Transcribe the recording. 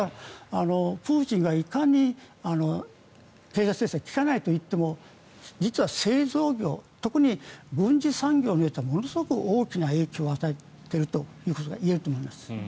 プーチンが、いかに経済制裁効かないといっても実は製造業軍需産業においてはものすごく大きな影響を与えているということが言えると思います。